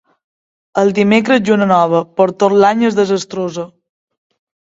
El dimecres lluna nova, per tot l'any és desastrosa.